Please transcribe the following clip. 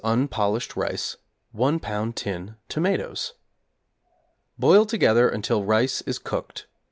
unpolished rice, 1 lb. tin tomatoes. Boil together until rice is cooked.